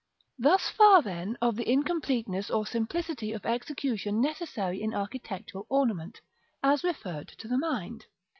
§ XV. Thus far, then, of the incompleteness or simplicity of execution necessary in architectural ornament, as referred to the mind.